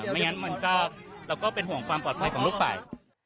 ไม่งั้นเราก็เป็นห่วงความปลอดภัยของทุกฝ่าย